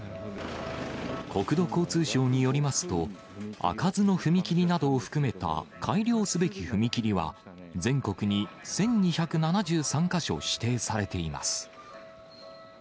国土交通省によりますと、開かずの踏切などを含めた、改良すべき踏切は、全国に１２７３か所指定されています。